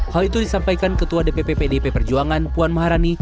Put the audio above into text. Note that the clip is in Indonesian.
hal itu disampaikan ketua dpp pdip perjuangan puan maharani